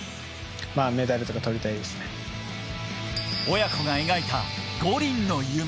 親子が描いた五輪の夢。